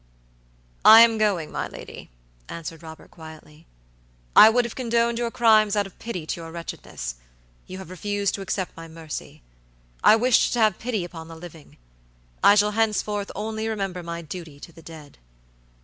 "I am going, my lady," answered Robert, quietly. "I would have condoned your crimes out of pity to your wretcheness. You have refused to accept my mercy. I wished to have pity upon the living. I shall henceforth only remember my duty to the dead."